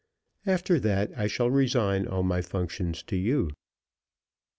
After that I shall resign all my functions to you."